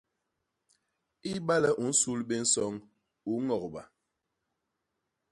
Ibale u nsul bé nsoñ, u ñogba.